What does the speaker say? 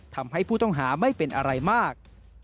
ทำให้ผู้ต้องหาไม่เป็นอะไรมาก